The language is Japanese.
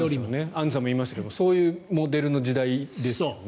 アンジュさんも言いましたがそういうモデルの時代ですよね。